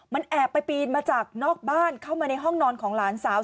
มันแอบไปปีนมาจากนอกบ้านเข้ามาในห้องนอนของหลานสาว